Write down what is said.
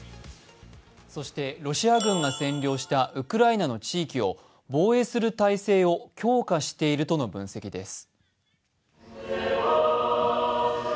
そしてロシア軍が占領したウクライナの地域を防衛する態勢を強化しているとの分析です。